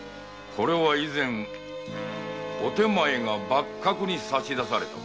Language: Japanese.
これは以前お手前が幕閣に差し出されたもの。